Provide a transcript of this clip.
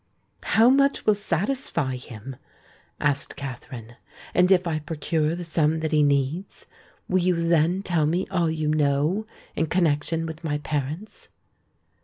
"How much will satisfy him?" asked Katherine. "And if I procure the sum that he needs, will you then tell me all you know in connexion with my parents?"